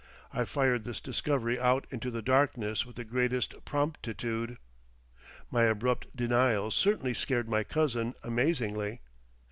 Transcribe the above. I fired this discovery out into the darkness with the greatest promptitude. My abrupt denials certainly scared my cousin amazingly.